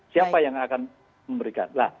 siapa yang akan memberikan